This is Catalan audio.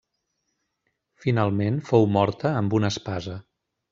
Finalment, fou morta amb una espasa.